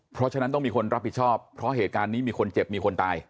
เพราะฉะนั้นต้องมีคนรับผิดชอบเพราะเหตุการณ์นี้มีคนเจ็บมีคนตาย